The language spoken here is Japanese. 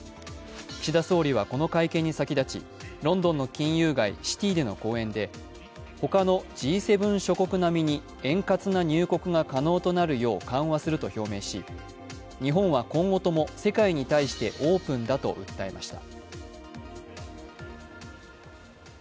岸田総理はこの会見に先立ち、ロンドンの金融街シティでの講演でほかのＧ７諸国並みに円滑な入国が可能となるよう緩和すると表明し、日本は今後とも世界に対してオープンだと訴えました。